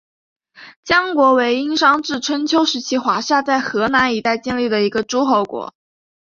江国为殷商至春秋时期华夏在河南一带建立的一个诸侯国。